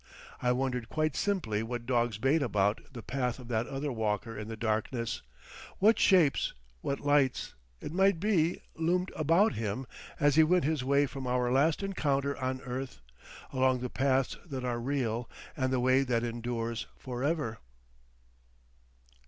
I wondered quite simply what dogs bayed about the path of that other walker in the darkness, what shapes, what lights, it might be, loomed about him as he went his way from our last encounter on earth—along the paths that are real, and the way that endures for ever?